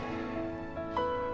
saya mau tidur